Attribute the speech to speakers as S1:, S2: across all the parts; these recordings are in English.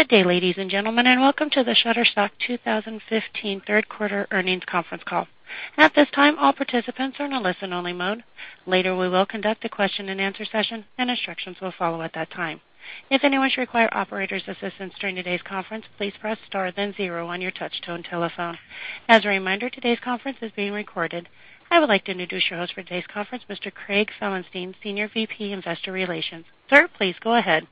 S1: Good day, ladies and gentlemen. Welcome to the Shutterstock 2015 third quarter earnings conference call. At this time, all participants are in a listen-only mode. Later, we will conduct a question and answer session. Instructions will follow at that time. If anyone should require operator's assistance during today's conference, please press star then zero on your touch-tone telephone. As a reminder, today's conference is being recorded. I would like to introduce your host for today's conference, Mr. Craig Felenstein, Senior VP, Investor Relations. Sir, please go ahead.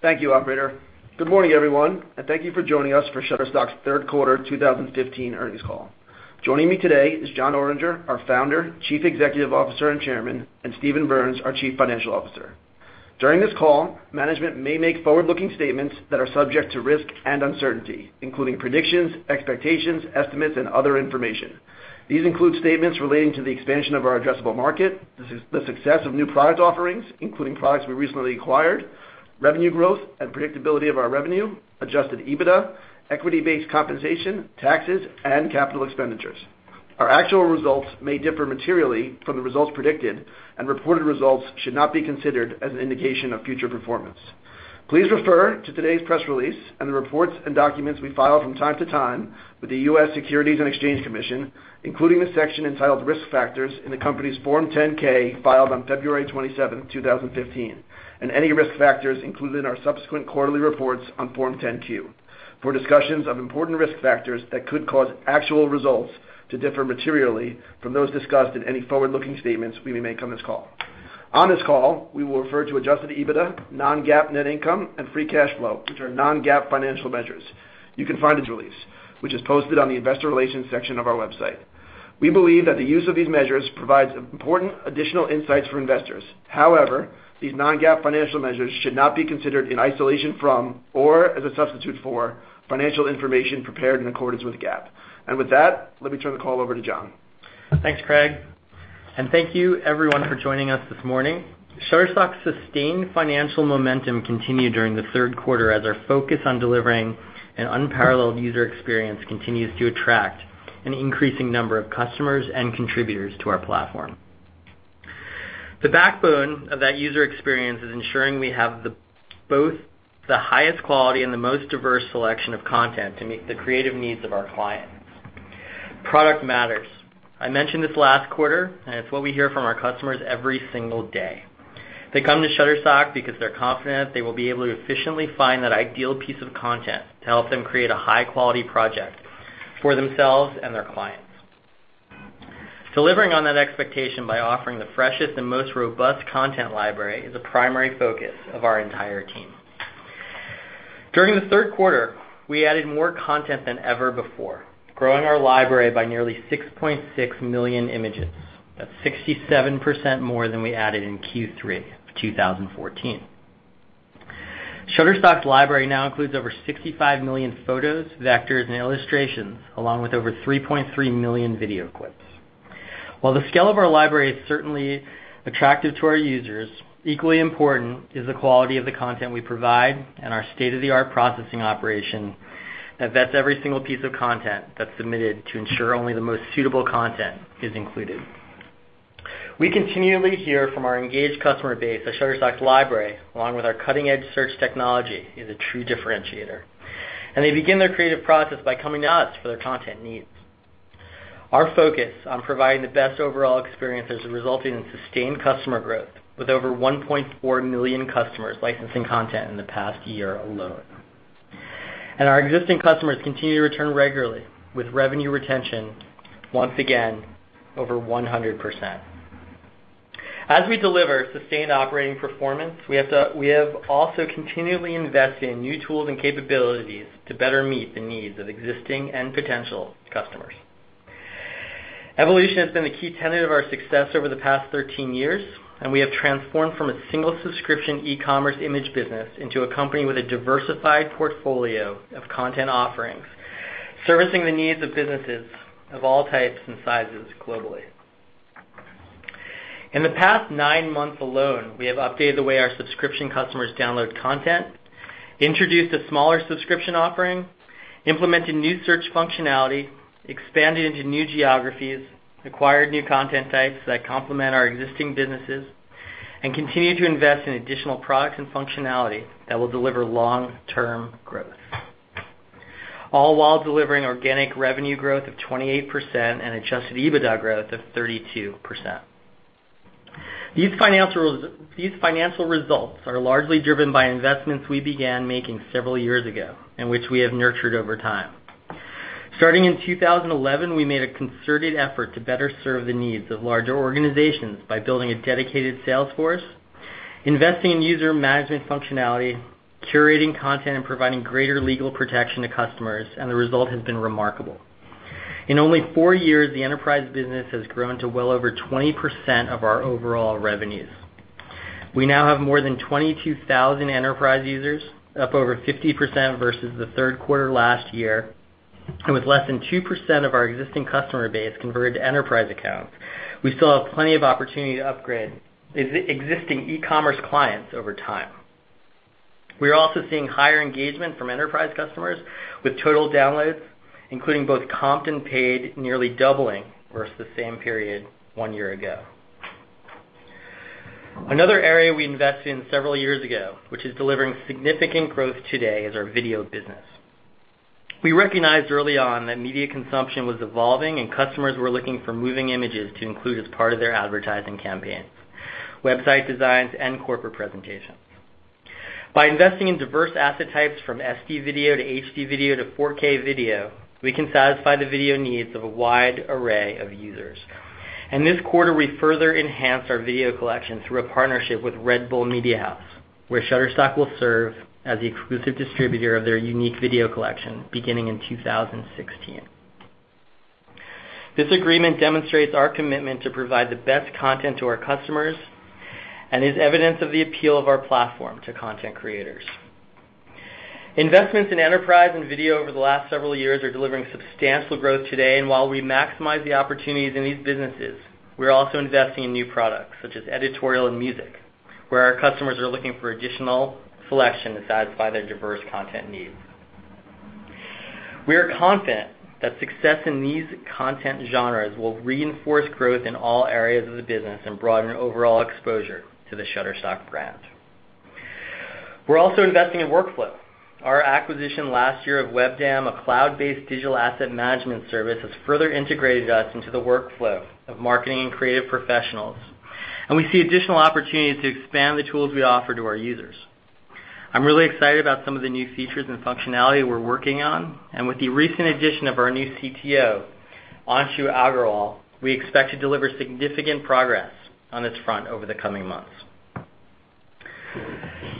S2: Thank you, operator. Good morning, everyone. Thank you for joining us for Shutterstock's third quarter 2015 earnings call. Joining me today is Jon Oringer, our Founder, Chief Executive Officer, and Chairman, and Steven Berns, our Chief Financial Officer. During this call, management may make forward-looking statements that are subject to risk and uncertainty, including predictions, expectations, estimates, and other information. These include statements relating to the expansion of our addressable market, the success of new product offerings, including products we recently acquired, revenue growth and predictability of our revenue, adjusted EBITDA, equity-based compensation, taxes, and capital expenditures. Our actual results may differ materially from the results predicted. Reported results should not be considered as an indication of future performance. Please refer to today's press release and the reports and documents we file from time to time with the U.S. Securities and Exchange Commission, including the section entitled Risk Factors in the company's Form 10-K filed on February 27, 2015, and any risk factors included in our subsequent quarterly reports on Form 10-Q for discussions of important risk factors that could cause actual results to differ materially from those discussed in any forward-looking statements we may make on this call. On this call, we will refer to adjusted EBITDA, non-GAAP net income, and free cash flow, which are non-GAAP financial measures. You can find its release, which is posted on the investor relations section of our website. We believe that the use of these measures provides important additional insights for investors. However, these non-GAAP financial measures should not be considered in isolation from or as a substitute for financial information prepared in accordance with GAAP. With that, let me turn the call over to Jon.
S3: Thanks, Craig. Thank you everyone for joining us this morning. Shutterstock's sustained financial momentum continued during the third quarter as our focus on delivering an unparalleled user experience continues to attract an increasing number of customers and contributors to our platform. The backbone of that user experience is ensuring we have both the highest quality and the most diverse selection of content to meet the creative needs of our clients. Product matters. I mentioned this last quarter, and it's what we hear from our customers every single day. They come to Shutterstock because they're confident they will be able to efficiently find that ideal piece of content to help them create a high-quality project for themselves and their clients. Delivering on that expectation by offering the freshest and most robust content library is a primary focus of our entire team. During the third quarter, we added more content than ever before, growing our library by nearly 6.6 million images. That's 67% more than we added in Q3 of 2014. Shutterstock's library now includes over 65 million photos, vectors, and illustrations, along with over 3.3 million video clips. While the scale of our library is certainly attractive to our users, equally important is the quality of the content we provide and our state-of-the-art processing operation that vets every single piece of content that's submitted to ensure only the most suitable content is included. We continually hear from our engaged customer base that Shutterstock's library, along with our cutting-edge search technology, is a true differentiator, and they begin their creative process by coming to us for their content needs. Our focus on providing the best overall experience has resulted in sustained customer growth, with over 1.4 million customers licensing content in the past year alone. Our existing customers continue to return regularly, with revenue retention once again over 100%. As we deliver sustained operating performance, we have also continually invested in new tools and capabilities to better meet the needs of existing and potential customers. Evolution has been a key tenet of our success over the past 13 years, and we have transformed from a single subscription e-commerce image business into a company with a diversified portfolio of content offerings, servicing the needs of businesses of all types and sizes globally. In the past nine months alone, we have updated the way our subscription customers download content, introduced a smaller subscription offering, implemented new search functionality, expanded into new geographies, acquired new content types that complement our existing businesses, and continue to invest in additional products and functionality that will deliver long-term growth, all while delivering organic revenue growth of 28% and adjusted EBITDA growth of 32%. These financial results are largely driven by investments we began making several years ago, and which we have nurtured over time. Starting in 2011, we made a concerted effort to better serve the needs of larger organizations by building a dedicated sales force, investing in user management functionality, curating content, and providing greater legal protection to customers, and the result has been remarkable. In only four years, the enterprise business has grown to well over 20% of our overall revenues. We now have more than 22,000 enterprise users, up over 50% versus the third quarter last year. With less than 2% of our existing customer base converted to enterprise accounts, we still have plenty of opportunity to upgrade existing e-commerce clients over time. We are also seeing higher engagement from enterprise customers, with total downloads, including both comp and paid, nearly doubling versus the same period one year ago. Another area we invested in several years ago, which is delivering significant growth today, is our video business. We recognized early on that media consumption was evolving and customers were looking for moving images to include as part of their advertising campaigns, website designs, and corporate presentations. By investing in diverse asset types from SD video to HD video to 4K video, we can satisfy the video needs of a wide array of users. In this quarter, we further enhanced our video collection through a partnership with Red Bull Media House, where Shutterstock will serve as the exclusive distributor of their unique video collection beginning in 2016. This agreement demonstrates our commitment to provide the best content to our customers and is evidence of the appeal of our platform to content creators. Investments in enterprise and video over the last several years are delivering substantial growth today. While we maximize the opportunities in these businesses, we are also investing in new products such as editorial and music, where our customers are looking for additional selection to satisfy their diverse content needs. We are confident that success in these content genres will reinforce growth in all areas of the business and broaden overall exposure to the Shutterstock brand. We're also investing in workflow. Our acquisition last year of WebDAM, a cloud-based digital asset management service, has further integrated us into the workflow of marketing and creative professionals, and we see additional opportunities to expand the tools we offer to our users. I'm really excited about some of the new features and functionality we're working on, and with the recent addition of our new CTO, Anshu Aggarwal, we expect to deliver significant progress on this front over the coming months.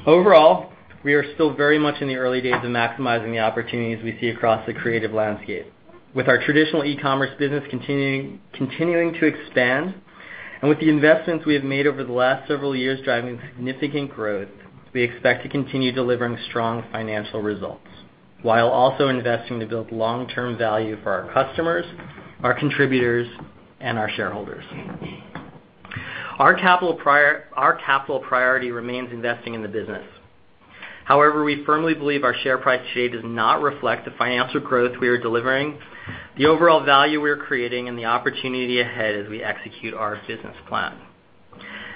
S3: Overall, we are still very much in the early days of maximizing the opportunities we see across the creative landscape. With our traditional e-commerce business continuing to expand and with the investments we have made over the last several years driving significant growth, we expect to continue delivering strong financial results while also investing to build long-term value for our customers, our contributors, and our shareholders. Our capital priority remains investing in the business. However, we firmly believe our share price should not reflect the financial growth we are delivering, the overall value we are creating, and the opportunity ahead as we execute our business plan.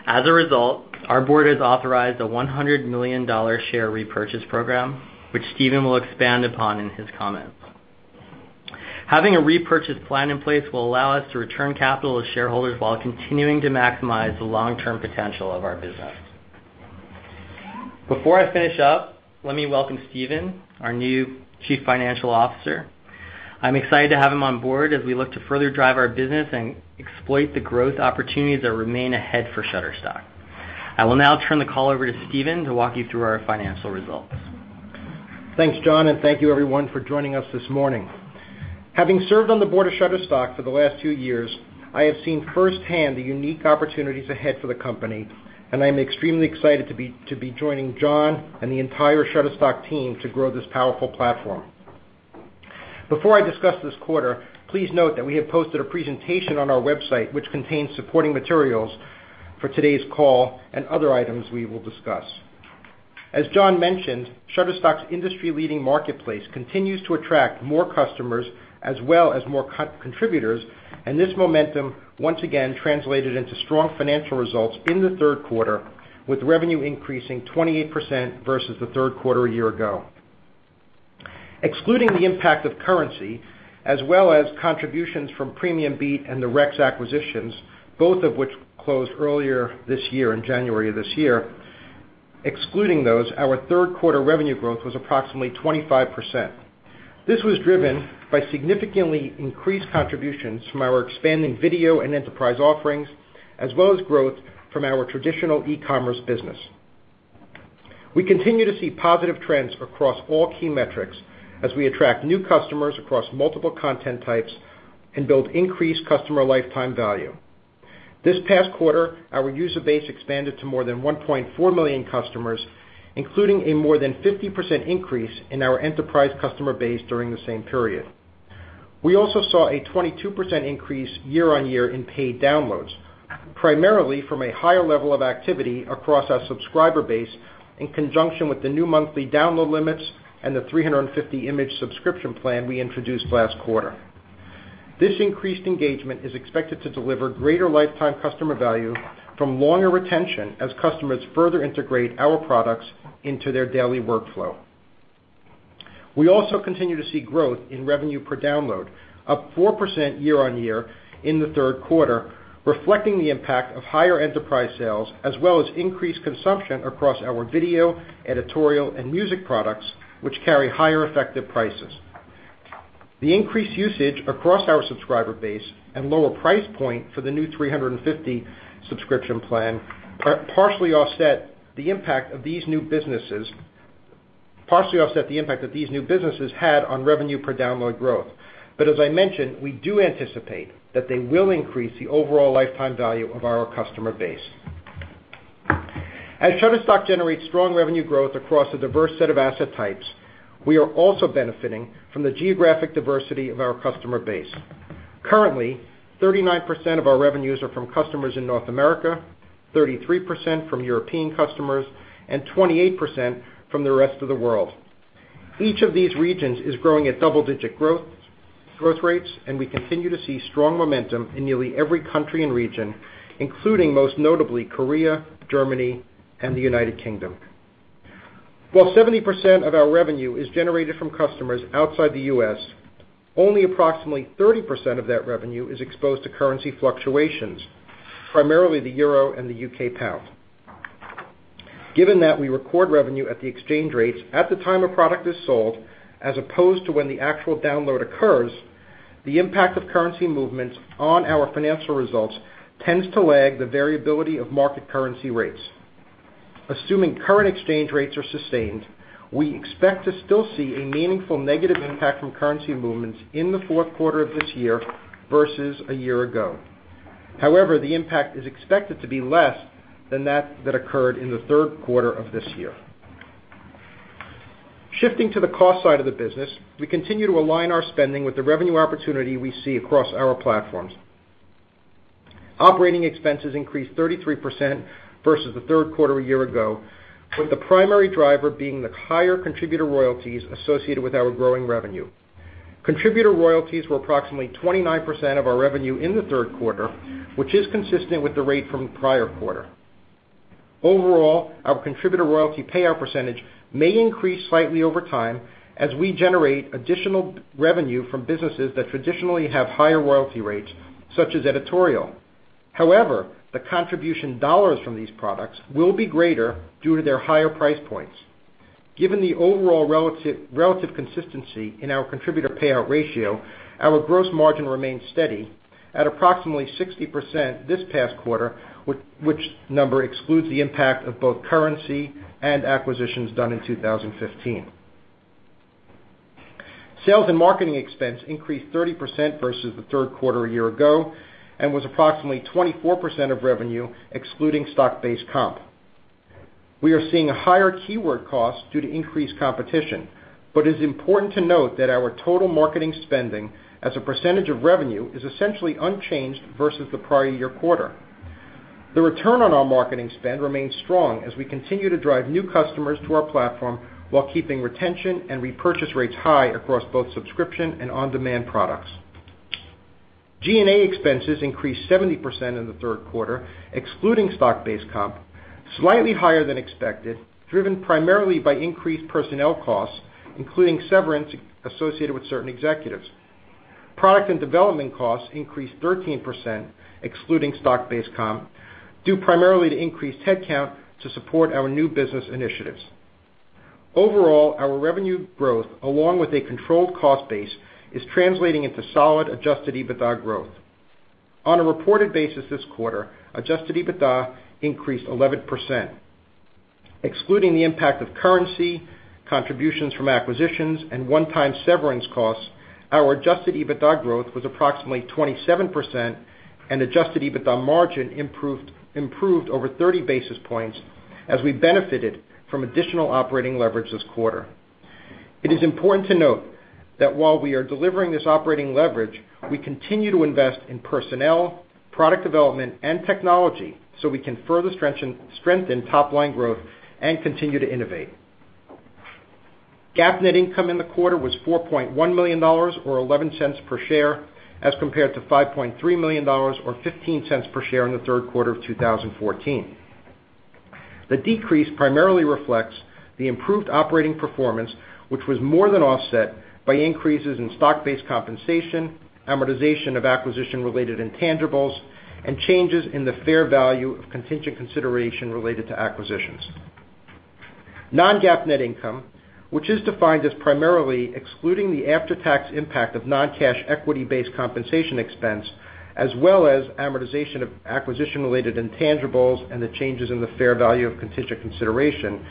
S3: As a result, our board has authorized a $100 million share repurchase program, which Steven will expand upon in his comments. Having a repurchase plan in place will allow us to return capital to shareholders while continuing to maximize the long-term potential of our business. Before I finish up, let me welcome Steven, our new Chief Financial Officer. I'm excited to have him on board as we look to further drive our business and exploit the growth opportunities that remain ahead for Shutterstock. I will now turn the call over to Steven to walk you through our financial results.
S4: Thanks, John, and thank you everyone for joining us this morning. Having served on the board of Shutterstock for the last two years, I have seen firsthand the unique opportunities ahead for the company, and I am extremely excited to be joining John and the entire Shutterstock team to grow this powerful platform. Before I discuss this quarter, please note that we have posted a presentation on our website which contains supporting materials for today's call and other items we will discuss. As John mentioned, Shutterstock's industry-leading marketplace continues to attract more customers as well as more contributors, and this momentum once again translated into strong financial results in the third quarter, with revenue increasing 28% versus the third quarter a year ago. Excluding the impact of currency as well as contributions from PremiumBeat and the Rex acquisitions, both of which closed earlier this year, in January of this year. Excluding those, our third quarter revenue growth was approximately 25%. This was driven by significantly increased contributions from our expanding video and enterprise offerings, as well as growth from our traditional e-commerce business. We continue to see positive trends across all key metrics as we attract new customers across multiple content types and build increased customer lifetime value. This past quarter, our user base expanded to more than 1.4 million customers, including a more than 50% increase in our enterprise customer base during the same period. We also saw a 22% increase year-on-year in paid downloads, primarily from a higher level of activity across our subscriber base in conjunction with the new monthly download limits and the 350-image subscription plan we introduced last quarter. This increased engagement is expected to deliver greater lifetime customer value from longer retention as customers further integrate our products into their daily workflow. We also continue to see growth in revenue per download, up 4% year-on-year in the third quarter, reflecting the impact of higher enterprise sales as well as increased consumption across our video, editorial, and music products, which carry higher effective prices. The increased usage across our subscriber base and lower price point for the new 350 subscription plan partially offset the impact that these new businesses had on revenue per download growth. As I mentioned, we do anticipate that they will increase the overall lifetime value of our customer base. As Shutterstock generates strong revenue growth across a diverse set of asset types, we are also benefiting from the geographic diversity of our customer base. Currently, 39% of our revenues are from customers in North America, 33% from European customers, and 28% from the rest of the world. Each of these regions is growing at double-digit growth rates, and we continue to see strong momentum in nearly every country and region, including, most notably, Korea, Germany, and the United Kingdom. While 70% of our revenue is generated from customers outside the U.S., only approximately 30% of that revenue is exposed to currency fluctuations, primarily the EUR and the GBP. Given that we record revenue at the exchange rates at the time a product is sold, as opposed to when the actual download occurs, the impact of currency movements on our financial results tends to lag the variability of market currency rates. Assuming current exchange rates are sustained, we expect to still see a meaningful negative impact from currency movements in the fourth quarter of this year versus a year ago. However, the impact is expected to be less than that that occurred in the third quarter of this year. Shifting to the cost side of the business, we continue to align our spending with the revenue opportunity we see across our platforms. Operating expenses increased 33% versus the third quarter a year ago, with the primary driver being the higher contributor royalties associated with our growing revenue. Contributor royalties were approximately 29% of our revenue in the third quarter, which is consistent with the rate from the prior quarter. Overall, our contributor royalty payout percentage may increase slightly over time as we generate additional revenue from businesses that traditionally have higher royalty rates, such as editorial. However, the contribution dollars from these products will be greater due to their higher price points. Given the overall relative consistency in our contributor payout ratio, our gross margin remains steady at approximately 60% this past quarter, which number excludes the impact of both currency and acquisitions done in 2015. Sales and marketing expense increased 30% versus the third quarter a year ago and was approximately 24% of revenue excluding stock-based comp. We are seeing higher keyword costs due to increased competition. It is important to note that our total marketing spending as a percentage of revenue is essentially unchanged versus the prior year quarter. The return on our marketing spend remains strong as we continue to drive new customers to our platform while keeping retention and repurchase rates high across both subscription and on-demand products. G&A expenses increased 70% in the third quarter, excluding stock-based comp, slightly higher than expected, driven primarily by increased personnel costs, including severance associated with certain executives. Product and development costs increased 13%, excluding stock-based comp, due primarily to increased headcount to support our new business initiatives. Overall, our revenue growth, along with a controlled cost base, is translating into solid adjusted EBITDA growth. On a reported basis this quarter, adjusted EBITDA increased 11%. Excluding the impact of currency, contributions from acquisitions, and one-time severance costs, our adjusted EBITDA growth was approximately 27% and adjusted EBITDA margin improved over 30 basis points as we benefited from additional operating leverage this quarter. It is important to note that while we are delivering this operating leverage, we continue to invest in personnel, product development, and technology so we can further strengthen top-line growth and continue to innovate. GAAP net income in the quarter was $4.1 million, or $0.11 per share, as compared to $5.3 million or $0.15 per share in the third quarter of 2014. The decrease primarily reflects the improved operating performance, which was more than offset by increases in stock-based compensation, amortization of acquisition-related intangibles, and changes in the fair value of contingent consideration related to acquisitions. Non-GAAP net income, which is defined as primarily excluding the after-tax impact of non-cash equity-based compensation expense, as well as amortization of acquisition-related intangibles and the changes in the fair value of contingent consideration.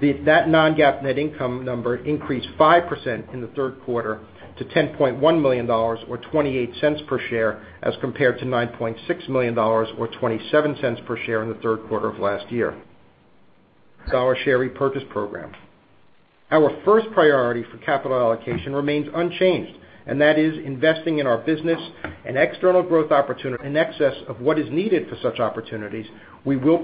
S4: That non-GAAP net income number increased 5% in the third quarter to $10.1 million, or $0.28 per share, as compared to $9.6 million or $0.27 per share in the third quarter of last year. Dollar share repurchase program. Our first priority for capital allocation remains unchanged, and that is investing in our business and external growth opportunities in excess of what is needed for such opportunities. We will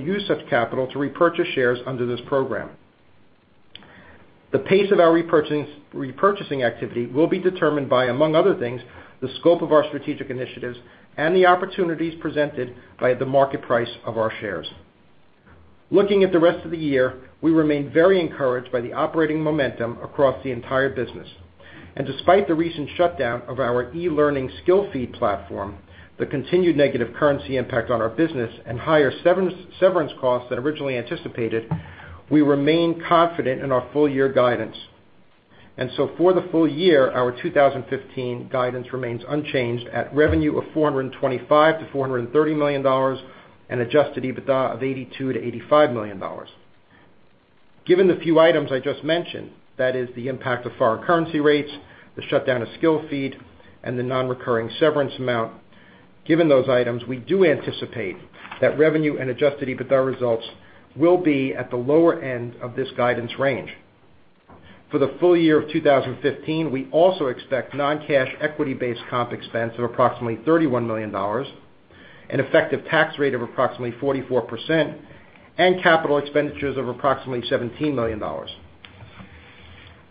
S4: use such capital to repurchase shares under this program. The pace of our repurchasing activity will be determined by, among other things, the scope of our strategic initiatives and the opportunities presented by the market price of our shares. Looking at the rest of the year, we remain very encouraged by the operating momentum across the entire business. Despite the recent shutdown of our e-learning Skillfeed platform, the continued negative currency impact on our business, and higher severance costs than originally anticipated, we remain confident in our full-year guidance. For the full year, our 2015 guidance remains unchanged at revenue of $425 million to $430 million and adjusted EBITDA of $82 million to $85 million. Given the few items I just mentioned, that is the impact of foreign currency rates, the shutdown of Skillfeed, and the non-recurring severance amount, given those items, we do anticipate that revenue and adjusted EBITDA results will be at the lower end of this guidance range. For the full year of 2015, we also expect non-cash equity-based comp expense of approximately $31 million. An effective tax rate of approximately 44%, and capital expenditures of approximately $17 million.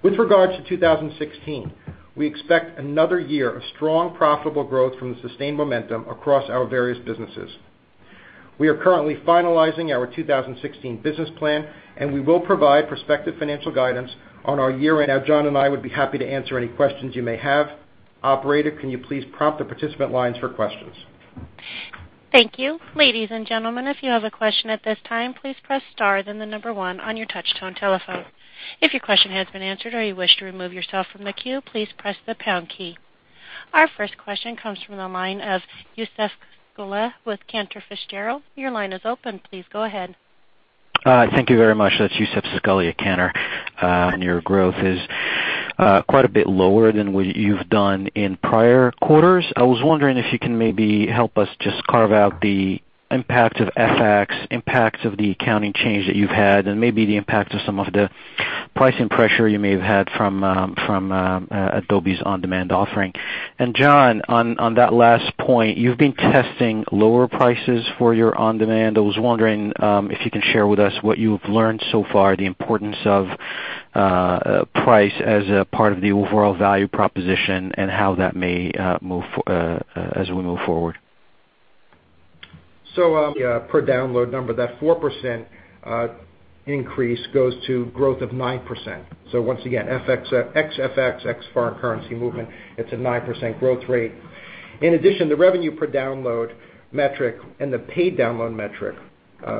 S4: With regards to 2016, we expect another year of strong, profitable growth from the sustained momentum across our various businesses. We are currently finalizing our 2016 business plan, and we will provide prospective financial guidance on our year-end. Jon and I would be happy to answer any questions you may have. Operator, can you please prompt the participant lines for questions?
S1: Thank you. Ladies and gentlemen, if you have a question at this time, please press star, then the number 1 on your touch-tone telephone. If your question has been answered or you wish to remove yourself from the queue, please press the pound key. Our first question comes from the line of Youssef Squali with Cantor Fitzgerald. Your line is open. Please go ahead.
S5: Thank you very much. That's Youssef Squali at Cantor. Your growth is quite a bit lower than what you've done in prior quarters. I was wondering if you can maybe help us just carve out the impact of FX, impact of the accounting change that you've had, and maybe the impact of some of the pricing pressure you may have had from Adobe's On Demand offering. Jon, on that last point, you've been testing lower prices for your On Demand. I was wondering if you can share with us what you've learned so far, the importance of price as a part of the overall value proposition, and how that may move as we move forward.
S4: Per download number, that 4% increase goes to growth of 9%. Once again, ex FX, ex foreign currency movement, it's a 9% growth rate. In addition, the revenue per download metric and the paid download metric,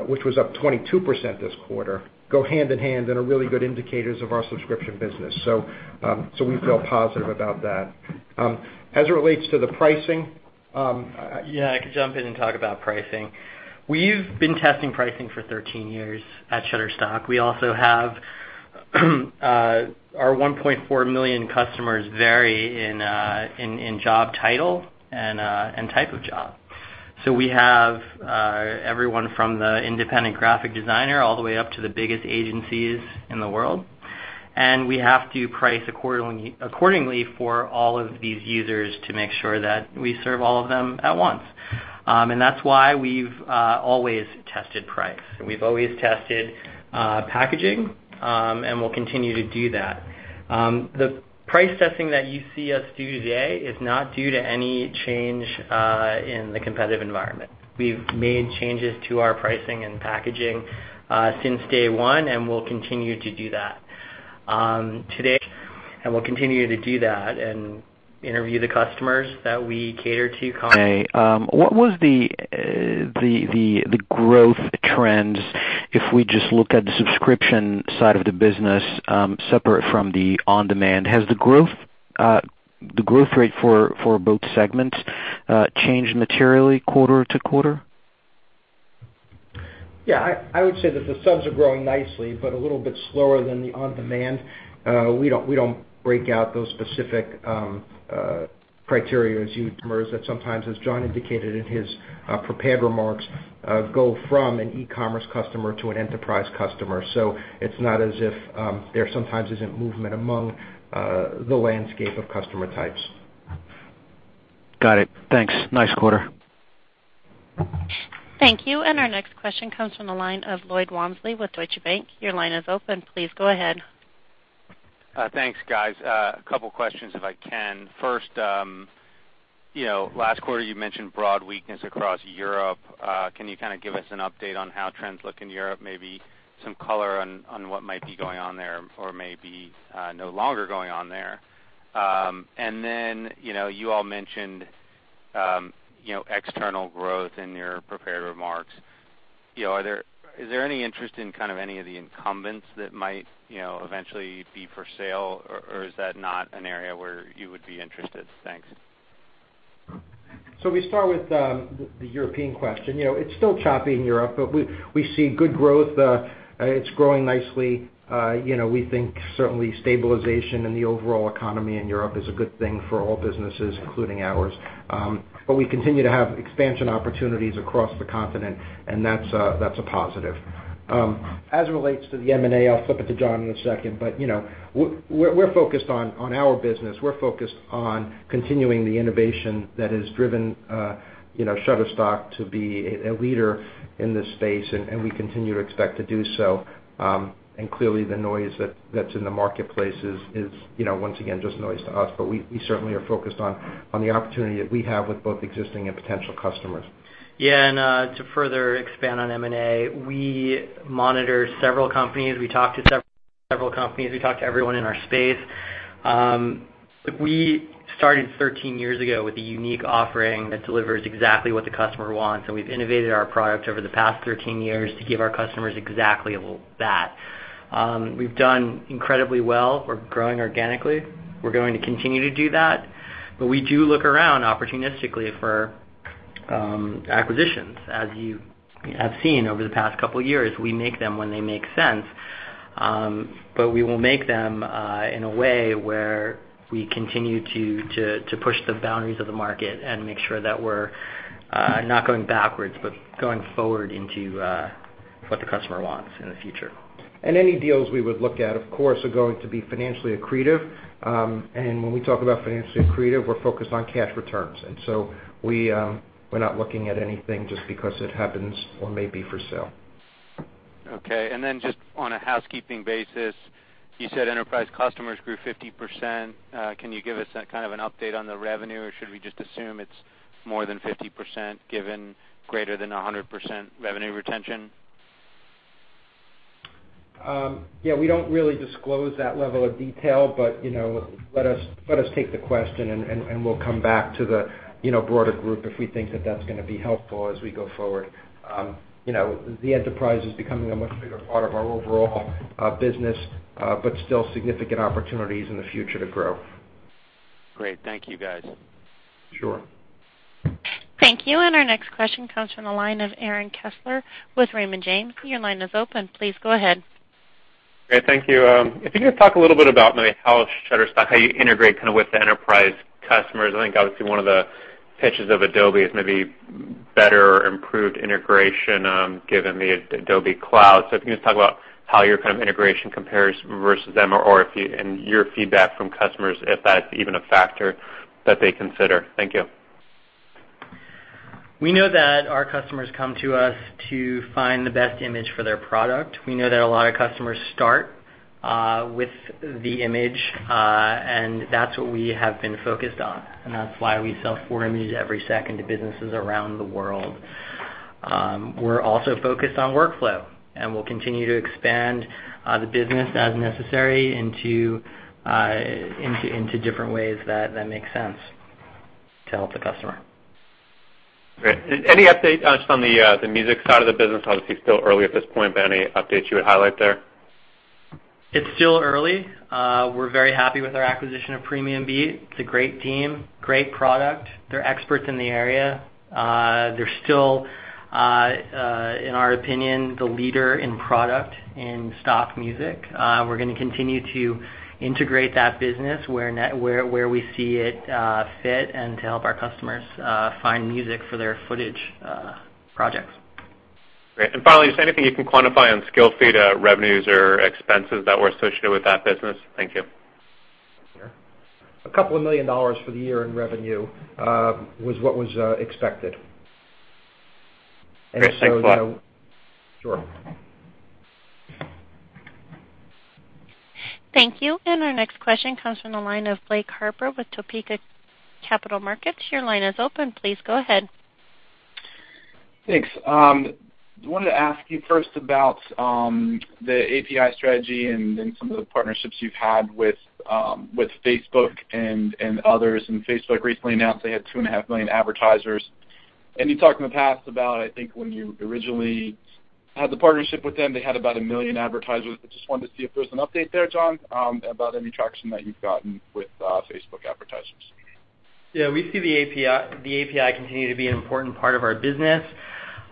S4: which was up 22% this quarter, go hand in hand and are really good indicators of our subscription business. We feel positive about that. As it relates to the pricing-
S3: I can jump in and talk about pricing. We've been testing pricing for 13 years at Shutterstock. We also have our 1.4 million customers vary in job title and type of job. We have everyone from the independent graphic designer, all the way up to the biggest agencies in the world, and we have to price accordingly for all of these users to make sure that we serve all of them at once. That's why we've always tested price, and we've always tested packaging, and we'll continue to do that. The price testing that you see us do today is not due to any change in the competitive environment. We've made changes to our pricing and packaging since day one, and we'll continue to do that. Today, we'll continue to do that and interview the customers that we cater to.
S5: What was the growth trends if we just looked at the subscription side of the business, separate from the On Demand? Has the growth rate for both segments changed materially quarter to quarter?
S4: I would say that the subs are growing nicely, but a little bit slower than the On Demand. We don't break out those specific criteria as sometimes, as Jon indicated in his prepared remarks, go from an e-commerce customer to an enterprise customer. It's not as if there sometimes isn't movement among the landscape of customer types.
S5: Got it. Thanks. Nice quarter.
S1: Thank you. Our next question comes from the line of Lloyd Walmsley with Deutsche Bank. Your line is open. Please go ahead.
S6: Thanks, guys. A couple questions if I can. First, last quarter you mentioned broad weakness across Europe. Can you kind of give us an update on how trends look in Europe? Maybe some color on what might be going on there or may be no longer going on there. Then, you all mentioned external growth in your prepared remarks. Is there any interest in kind of any of the incumbents that might eventually be for sale, or is that not an area where you would be interested? Thanks.
S4: We start with the European question. It's still choppy in Europe, but we see good growth. It's growing nicely. We think certainly stabilization in the overall economy in Europe is a good thing for all businesses, including ours. We continue to have expansion opportunities across the continent, and that's a positive. As it relates to the M&A, I'll flip it to Jon in a second, we're focused on our business. We're focused on continuing the innovation that has driven Shutterstock to be a leader in this space, and we continue to expect to do so. Clearly the noise that's in the marketplace is, once again, just noise to us, we certainly are focused on the opportunity that we have with both existing and potential customers.
S3: Yeah, to further expand on M&A, we monitor several companies. We talk to several companies. We talk to everyone in our space. We started 13 years ago with a unique offering that delivers exactly what the customer wants, and we've innovated our product over the past 13 years to give our customers exactly that. We've done incredibly well. We're growing organically. We're going to continue to do that, but we do look around opportunistically for acquisitions. As you have seen over the past couple of years, we make them when they make sense. We will make them in a way where we continue to push the boundaries of the market and make sure that we're not going backwards, but going forward into what the customer wants in the future.
S4: Any deals we would look at, of course, are going to be financially accretive. When we talk about financially accretive, we're focused on cash returns. We're not looking at anything just because it happens or may be for sale.
S6: Okay. Just on a housekeeping basis, you said enterprise customers grew 50%. Can you give us an update on the revenue, or should we just assume it's more than 50%, given greater than 100% revenue retention?
S4: Yeah, we don't really disclose that level of detail, let us take the question, we'll come back to the broader group if we think that that's going to be helpful as we go forward. The enterprise is becoming a much bigger part of our overall business, still significant opportunities in the future to grow.
S6: Great. Thank you, guys.
S4: Sure.
S1: Thank you. Our next question comes from the line of Aaron Kessler with Raymond James. Your line is open. Please go ahead.
S7: Great. Thank you. If you could talk a little bit about maybe how Shutterstock, how you integrate with the enterprise customers. I think obviously one of the pitches of Adobe is maybe better or improved integration given the Adobe Cloud. If you could just talk about how your kind of integration compares versus them, and your feedback from customers, if that's even a factor that they consider. Thank you.
S3: We know that our customers come to us to find the best image for their product. We know that a lot of customers start with the image, and that's what we have been focused on, and that's why we sell four images every second to businesses around the world. We're also focused on workflow, and we'll continue to expand the business as necessary into different ways that make sense to help the customer.
S7: Great. Any update just on the music side of the business? Obviously, still early at this point, but any updates you would highlight there?
S3: It's still early. We're very happy with our acquisition of PremiumBeat. It's a great team, great product. They're experts in the area. They're still, in our opinion, the leader in product in stock music. We're going to continue to integrate that business where we see it fit and to help our customers find music for their footage projects.
S7: Great. Finally, is there anything you can quantify on Skillfeed revenues or expenses that were associated with that business? Thank you.
S4: A couple of million dollars for the year in revenue was what was expected.
S7: Great. Thanks a lot.
S4: Sure.
S1: Thank you. Our next question comes from the line of Blake Harper with Topeka Capital Markets. Your line is open. Please go ahead.
S8: Thanks. I wanted to ask you first about the API strategy then some of the partnerships you've had with Facebook and others. Facebook recently announced they had 2.5 million advertisers. You talked in the past about, I think, when you originally had the partnership with them, they had about 1 million advertisers, just wanted to see if there's an update there, Jon, about any traction that you've gotten with Facebook advertisers.
S3: Yeah, we see the API continue to be an important part of our business.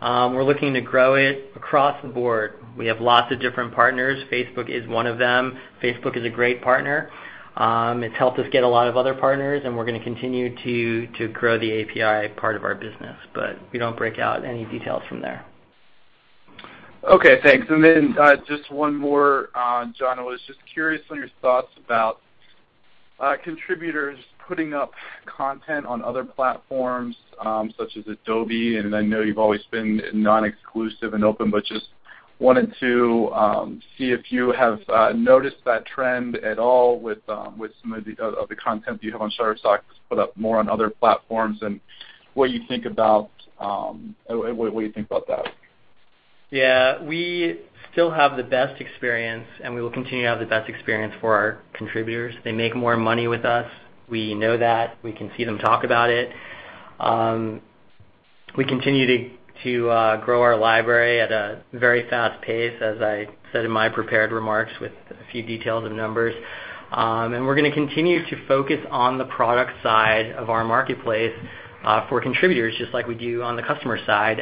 S3: We're looking to grow it across the board. We have lots of different partners. Facebook is one of them. Facebook is a great partner. It's helped us get a lot of other partners, we're going to continue to grow the API part of our business, we don't break out any details from there.
S8: Okay, thanks. Then just one more, Jon. I was just curious on your thoughts about contributors putting up content on other platforms such as Adobe, I know you've always been non-exclusive and open, but just wanted to see if you have noticed that trend at all with some of the content that you have on Shutterstock put up more on other platforms. What do you think about that?
S3: Yeah. We still have the best experience, we will continue to have the best experience for our contributors. They make more money with us. We know that. We can see them talk about it. We continue to grow our library at a very fast pace, as I said in my prepared remarks, with a few details and numbers. We're going to continue to focus on the product side of our marketplace for contributors, just like we do on the customer side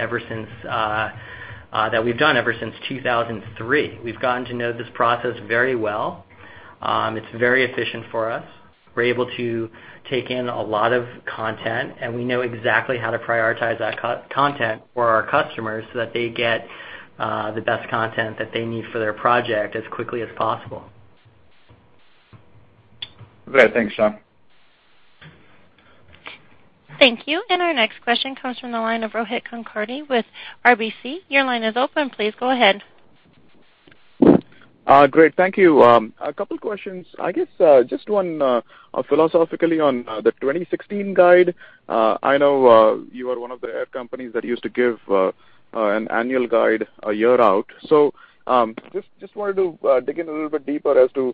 S3: that we've done ever since 2003. We've gotten to know this process very well. It's very efficient for us. We're able to take in a lot of content, we know exactly how to prioritize that content for our customers so that they get the best content that they need for their project as quickly as possible.
S8: Great. Thanks, Jon.
S1: Thank you. Our next question comes from the line of Rohit Kulkarni with RBC. Your line is open. Please go ahead.
S9: Great. Thank you. A couple questions. I guess just one philosophically on the 2016 guide. I know you are one of the ad companies that used to give an annual guide a year out. Just wanted to dig in a little bit deeper as to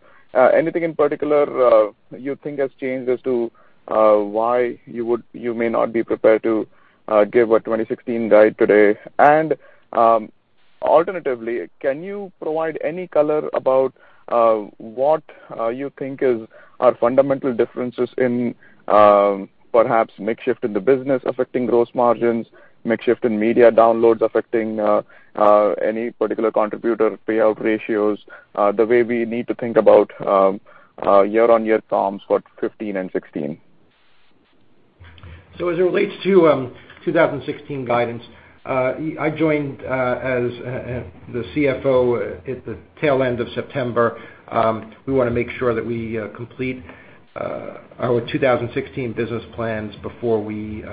S9: anything in particular you think has changed as to why you may not be prepared to give a 2016 guide today. Alternatively, can you provide any color about what you think are fundamental differences in perhaps mix shift in the business affecting gross margins, mix shift in media downloads affecting any particular contributor payout ratios, the way we need to think about year-on-year comps for 2015 and 2016?
S4: As it relates to 2016 guidance, I joined as the CFO at the tail end of September. We want to make sure that we complete our 2016 business plans before we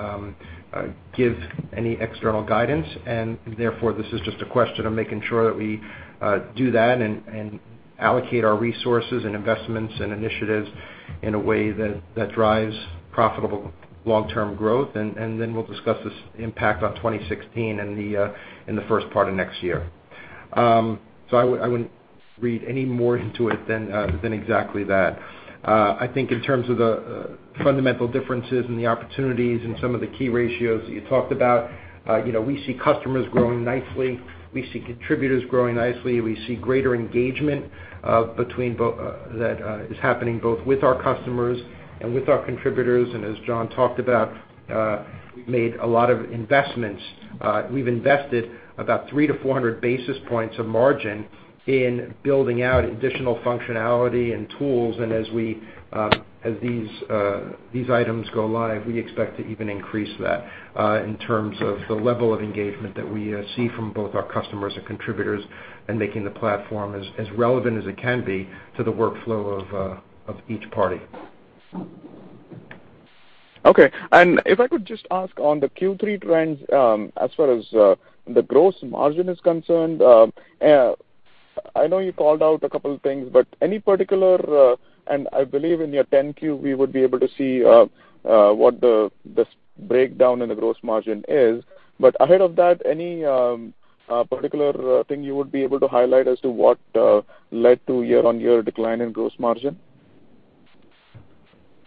S4: give any external guidance, and therefore this is just a question of making sure that we do that and allocate our resources and investments and initiatives in a way that drives profitable long-term growth, and then we'll discuss this impact on 2016 in the first part of next year. I wouldn't read any more into it than exactly that. I think in terms of the fundamental differences and the opportunities and some of the key ratios that you talked about, we see customers growing nicely. We see contributors growing nicely. We see greater engagement that is happening both with our customers and with our contributors. As Jon talked about, we've made a lot of investments. We've invested about 300 to 400 basis points of margin in building out additional functionality and tools, and as these items go live, we expect to even increase that in terms of the level of engagement that we see from both our customers and contributors and making the platform as relevant as it can be to the workflow of each party.
S9: Okay. If I could just ask on the Q3 trends, as far as the gross margin is concerned, I know you called out a couple of things, and I believe in your 10-Q, we would be able to see what the breakdown in the gross margin is. Ahead of that, any particular thing you would be able to highlight as to what led to year-on-year decline in gross margin?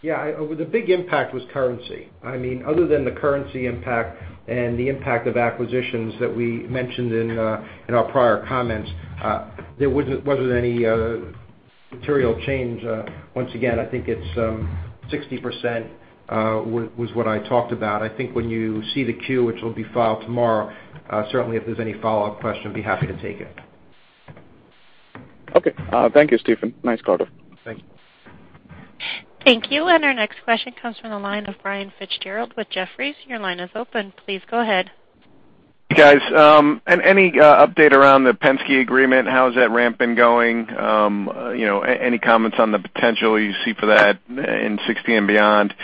S4: Yeah. The big impact was currency. Other than the currency impact and the impact of acquisitions that we mentioned in our prior comments, there wasn't any material change. Once again, I think it's 60% was what I talked about. I think when you see the Q, which will be filed tomorrow, certainly if there's any follow-up question, I'd be happy to take it.
S9: Okay. Thank you, Steven. Nice quarter.
S4: Thank you.
S1: Thank you. Our next question comes from the line of Brian Fitzgerald with Jefferies. Your line is open. Please go ahead.
S10: Hey, guys. Any update around the Penske agreement? How has that ramp been going? Any comments on the potential you see for that in 2016 and beyond?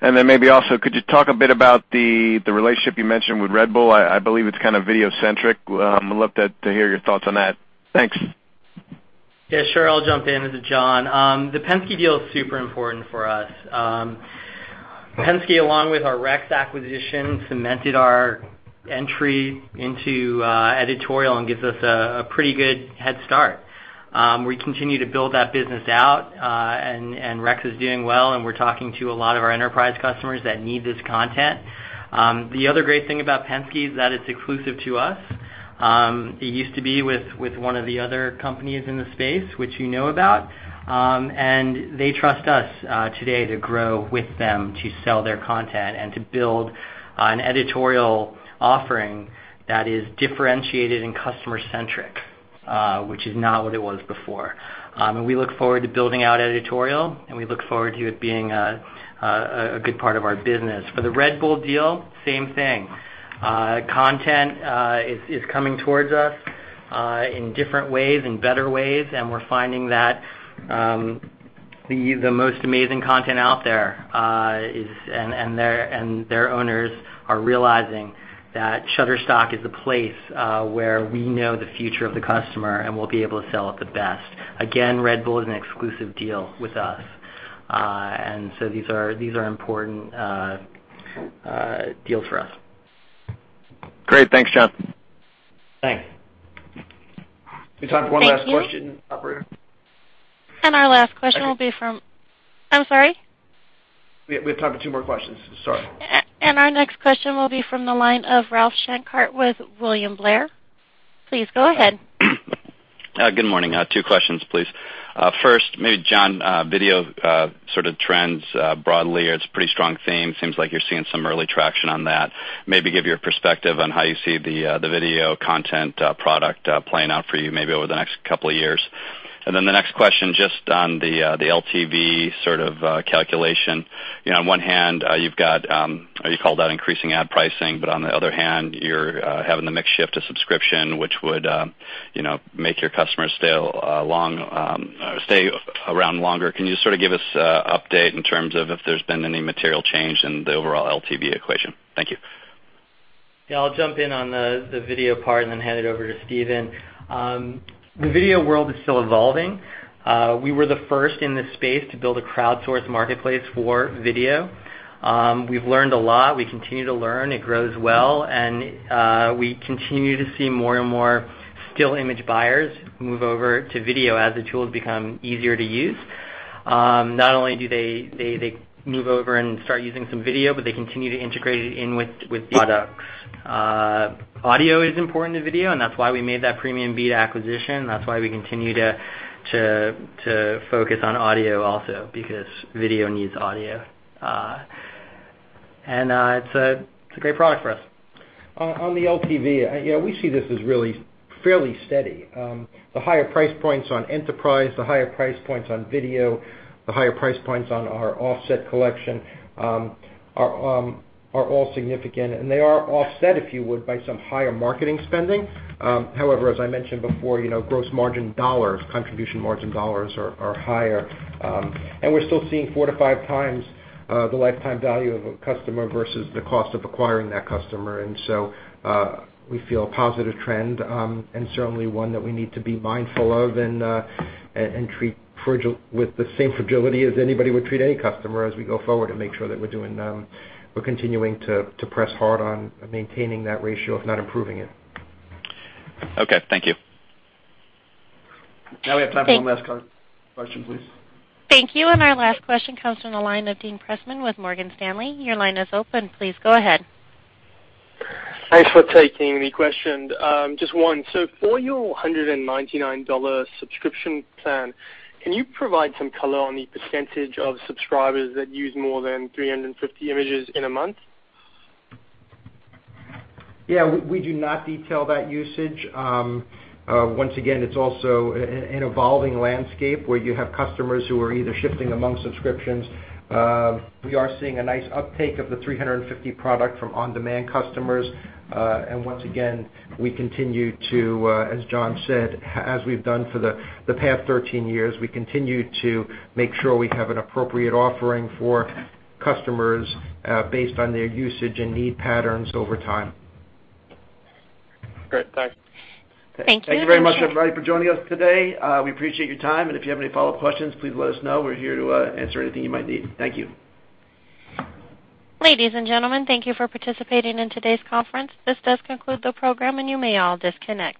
S10: Maybe also, could you talk a bit about the relationship you mentioned with Red Bull? I believe it's kind of video-centric. I'd love to hear your thoughts on that. Thanks.
S3: Yeah, sure. I'll jump in. This is Jon. The Penske deal is super important for us. Penske, along with our Rex acquisition, cemented our entry into editorial and gives us a pretty good head start. We continue to build that business out, and Rex is doing well, and we're talking to a lot of our enterprise customers that need this content. The other great thing about Penske is that it's exclusive to us. It used to be with one of the other companies in the space, which you know about. They trust us today to grow with them, to sell their content, and to build an editorial offering that is differentiated and customer-centric, which is not what it was before. We look forward to building out editorial, and we look forward to it being a good part of our business. For the Red Bull deal, same thing. Content is coming towards us in different ways, in better ways, we're finding that the most amazing content out there, their owners are realizing that Shutterstock is the place where we know the future of the customer, we'll be able to sell it the best. Again, Red Bull is an exclusive deal with us. These are important deals for us.
S10: Great. Thanks, Jon.
S3: Thanks.
S4: We have time for one last question, operator.
S1: Our last question will be from.
S4: Okay.
S1: I'm sorry?
S4: We have time for two more questions. Sorry.
S1: Our next question will be from the line of Ralph Schackart with William Blair. Please go ahead.
S11: Good morning. Two questions, please. First, maybe Jon, video sort of trends broadly. It's a pretty strong theme. Seems like you're seeing some early traction on that. Maybe give your perspective on how you see the video content product playing out for you, maybe over the next couple of years. The next question, just on the LTV sort of calculation. On one hand, you called out increasing ad pricing, but on the other hand, you're having the mix shift to subscription, which would make your customers stay around longer. Can you sort of give us an update in terms of if there's been any material change in the overall LTV equation? Thank you.
S3: Yeah. I'll jump in on the video part and then hand it over to Steven Berns. The video world is still evolving. We were the first in this space to build a crowdsourced marketplace for video. We've learned a lot. We continue to learn. It grows well, and we continue to see more and more still image buyers move over to video as the tools become easier to use. Not only do they move over and start using some video, but they continue to integrate it in with products. Audio is important to video, and that's why we made that PremiumBeat acquisition. That's why we continue to focus on audio also because video needs audio. It's a great product for us.
S4: On the LTV, we see this as really fairly steady. The higher price points on enterprise, the higher price points on video, the higher price points on our Offset collection are all significant, and they are offset, if you would, by some higher marketing spending. However, as I mentioned before, gross margin dollars, contribution margin dollars are higher. We're still seeing four to five times the lifetime value of a customer versus the cost of acquiring that customer. We feel a positive trend, and certainly one that we need to be mindful of and treat with the same fragility as anybody would treat any customer as we go forward and make sure that we're continuing to press hard on maintaining that ratio, if not improving it.
S11: Okay, thank you.
S4: Now we have time for one last question, please.
S1: Thank you. Our last question comes from the line of Dean Pressman with Morgan Stanley. Your line is open. Please go ahead.
S12: Thanks for taking the question. Just one. For your $199 subscription plan, can you provide some color on the % of subscribers that use more than 350 images in a month?
S4: Yeah, we do not detail that usage. Once again, it's also an evolving landscape where you have customers who are either shifting among subscriptions. We are seeing a nice uptake of the 350 product from on-demand customers. Once again, we continue to, as Jon said, as we've done for the past 13 years, we continue to make sure we have an appropriate offering for customers based on their usage and need patterns over time.
S12: Great. Thanks.
S1: Thank you very much.
S4: Thank you very much, everybody, for joining us today. We appreciate your time. If you have any follow-up questions, please let us know. We're here to answer anything you might need. Thank you.
S1: Ladies and gentlemen, thank you for participating in today's conference. This does conclude the program, and you may all disconnect.